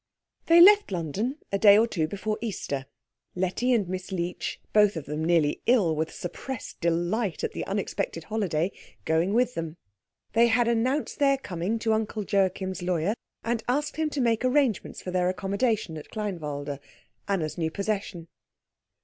They left London a day or two before Easter, Letty and Miss Leech, both of them nearly ill with suppressed delight at the unexpected holiday, going with them. They had announced their coming to Uncle Joachim's lawyer, and asked him to make arrangements for their accommodation at Kleinwalde, Anna's new possession.